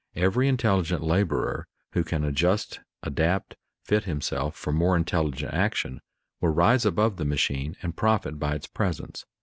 Every intelligent laborer who can adjust, adapt, fit himself for more intelligent action will rise above the machine and profit by its presence.